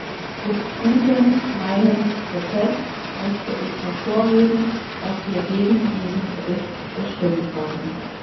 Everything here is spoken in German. Mit diesem meinem Protest möchte ich hervorheben, dass wir gegen diesen Bericht gestimmt haben.